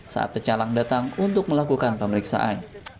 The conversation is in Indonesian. saat pecalang datang untuk melakukan pemeriksaan